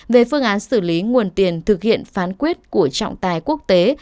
về phương án xử lý nguồn tiền thực hiện phán quyết của trọng tài quốc tế